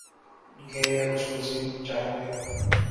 گے یا کچھ مزید چاہیں گے؟